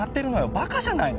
バカじゃないの？